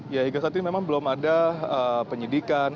ya hingga saat ini memang belum ada penyidikan